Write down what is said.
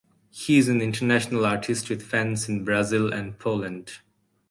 He is an international artist with fans in Brazil and Poland.